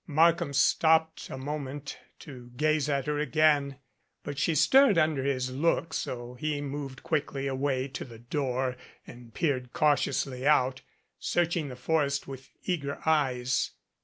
Markham stopped a mo ment to gaze at her again, but she stirred under his look, so he moved quickly away to the door and peered cau 226 NEMESIS tiously out, searching the forest with eager eyes.